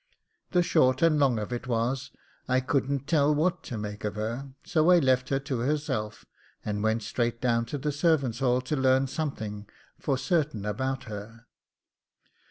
The short and the long of it was, I couldn't tell what to make of her; so I left her to herself, and went straight down to the servants' hall to learn something for certain about her.